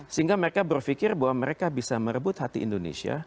sehingga mereka berpikir bahwa mereka bisa merebut hati indonesia